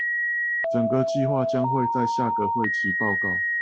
整個計畫將會在下個會期報告